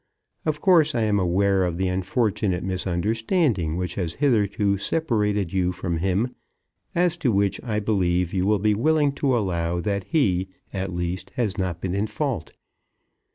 Of course I am aware of the unfortunate misunderstanding which has hitherto separated you from him, as to which I believe you will be willing to allow that he, at least, has not been in fault.